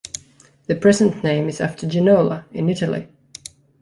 The present name is after Genola, in Italy.